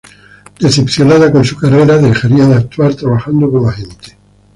Decepcionada con su carrera, dejaría de actuar trabajando como agente.